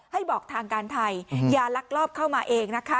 ให้บอกทางการไทยอย่าลักลอบเข้ามาเองนะคะ